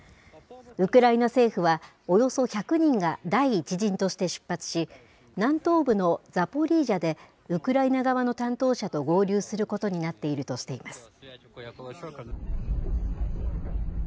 ウクライナ政府はおよそ１００人が第１陣として出発し、南東部のザポリージャでウクライナ側の担当者と合流することになっているとしています。